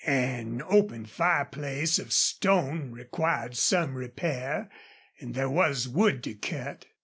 An open fireplace of stone required some repair and there was wood to cut.